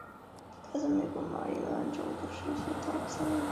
她在美国马里兰州巴尔的摩的市郊塞文。